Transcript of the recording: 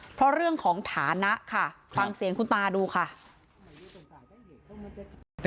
เพราะเรื่องของฐานะค่ะฟังเสียงคุณตาดูค่ะ